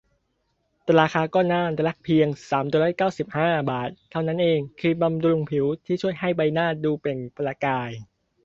ราคาก็น่ารักเพียง สามร้อยเก้าสิบห้า บาท เท่านั้นเอง ครีมบำรุงผิวที่ช่วยให้ใบหน้าดูเปล่งประกาย